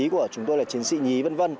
của chúng tôi là chiến sĩ nhí v v